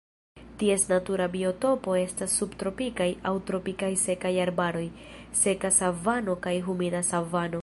Ties natura biotopo estas subtropikaj aŭ tropikaj sekaj arbaroj, seka savano kaj humida savano.